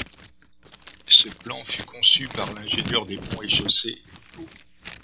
Ce plan fut conçu par l'ingénieur des Ponts et Chaussées Luneau.